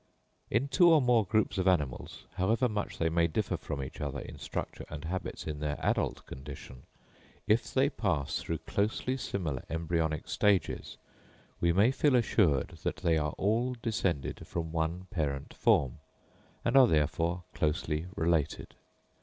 In two or more groups of animals, however much they may differ from each other in structure and habits in their adult condition, if they pass through closely similar embryonic stages, we may feel assured that they are all descended from one parent form, and are therefore closely related.